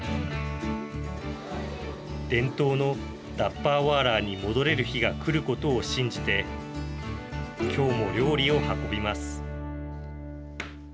伝統のダッバーワーラーに戻れる日が来ることを信じてきょうも料理を運びます。